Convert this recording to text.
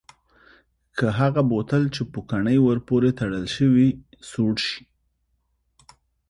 که هغه بوتل چې پوکڼۍ ور پورې تړل شوې سوړ شي؟